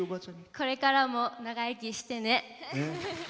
これからも長生きしてね！